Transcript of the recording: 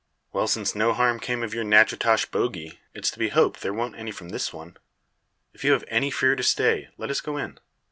"Well, since no harm came of your Nachitoches bogie, it's to be hoped there won't any from this one. If you have any fear to stay, let us go in.